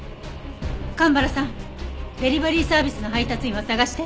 蒲原さんデリバリーサービスの配達員を捜して。